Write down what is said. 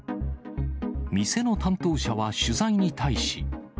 店の担当者は取材に対し。